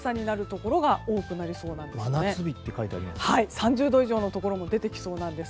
３０度以上のところも出てきそうなんです。